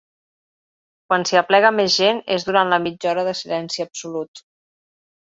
Quan s’hi aplega més gent és durant la mitja hora de silenci absolut.